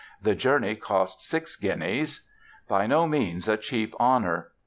The journey cost six guineas." By no means a cheap honor!